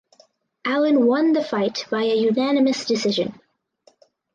Allen won the fight via unanimous decision.